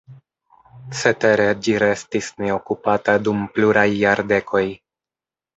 Cetere ĝi restis neokupata dum pluraj jardekoj.